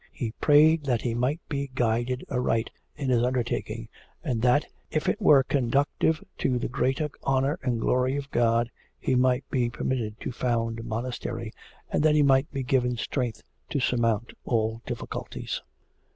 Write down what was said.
He prayed that he might be guided aright in his undertaking, and that, if it were conducive to the greater honour and glory of God, he might be permitted to found a monastery, and that he might be given strength to surmount all difficulties.